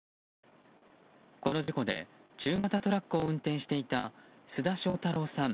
この事故で中型トラックを運転していた須田翔太郎さん